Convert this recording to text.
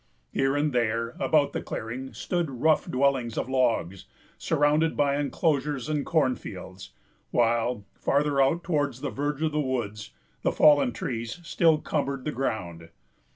Here and there, about the clearing, stood rough dwellings of logs, surrounded by enclosures and cornfields; while, farther out towards the verge of the woods, the fallen trees still cumbered the ground.